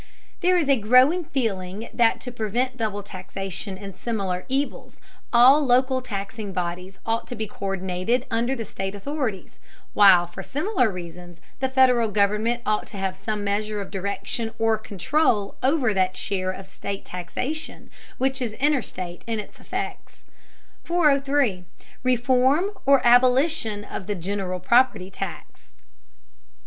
There is a growing feeling that to prevent double taxation and similar evils, all local taxing bodies ought to be co÷rdinated under the state authorities, while for similar reasons the Federal government ought to have some measure of direction or control over that share of state taxation which is interstate in its effects. 403. REFORM OR ABOLITION OF THE GENERAL PROPERTY TAX.